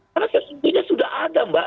karena sesungguhnya sudah ada mbak